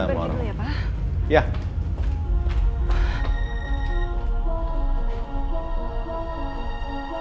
berangkat dulu ya pa